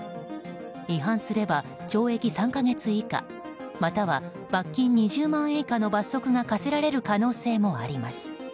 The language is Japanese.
違反すれば懲役３か月以下または罰金２０万円以下の罰則が科せられる可能性もあります。